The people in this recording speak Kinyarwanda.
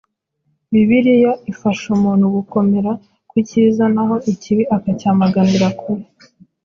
Bibiliya ifasha umuntu gukomera ku cyiza naho ikibi akacyamaganira kure.